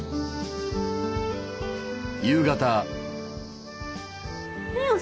夕方。